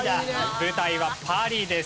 舞台はパリです。